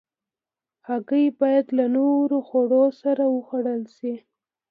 هګۍ باید له نورو خوړو سره وخوړل شي.